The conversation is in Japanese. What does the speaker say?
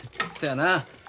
そやな。